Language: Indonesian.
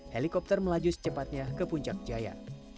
helikopter melaju secepatnya ke puncak jaya